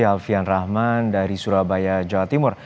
alfian rahman dari surabaya jawa timur